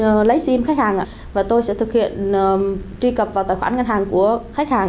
tôi lấy sim khách hàng và tôi sẽ thực hiện truy cập vào tài khoản ngân hàng của khách hàng